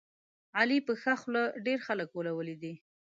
علي په ښه خوله ډېر خلک غولولي دي.